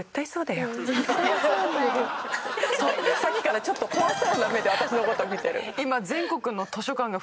さっきからちょっと怖そうな目で私の事見てる。